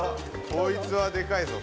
こいつはでかいぞ。